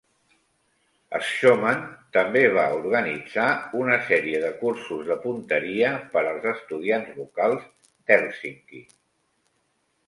Schauman també va organitzar una sèrie de cursos de punteria per als estudiants locals d'Hèlsinki.